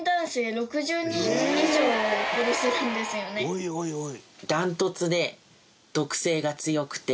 「おいおいおい」